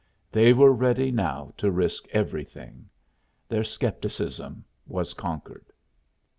They were ready now to risk everything. Their scepticism was conquered.